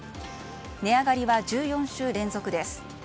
値上がりは１４週連続です。